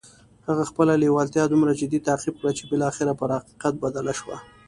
هغه خپله لېوالتیا دومره جدي تعقيب کړه چې بالاخره پر حقيقت بدله شوه.